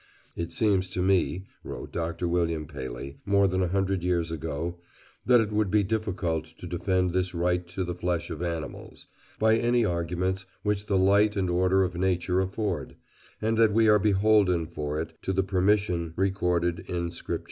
"It seems to me," wrote Dr. William Paley, more than a hundred years ago, "that it would be difficult to defend this right [to the flesh of animals] by any arguments which the light and order of Nature afford, and that we are beholden for it to the permission recorded in Scripture."